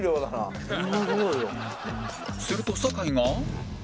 すると酒井が